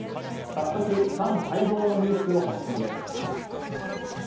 早速、ファン待望のニュースを発信です。